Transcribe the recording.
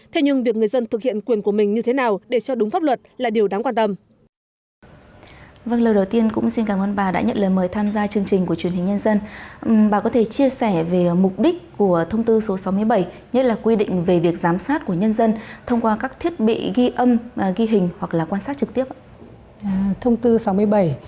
thế nhưng việc người dân thực hiện quyền của mình như thế nào để cho đúng pháp luật là điều đáng quan tâm